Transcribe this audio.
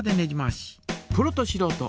プロとしろうと